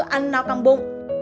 bốn ăn no căng bụng